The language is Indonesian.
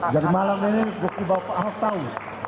jadi malam ini gue kira pak ahok tahu